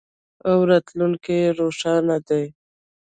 او راتلونکی یې روښانه دی.